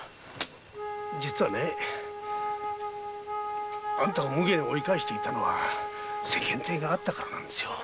実はねあんたをむげに追い返していたのは世間体があったからなんですよ。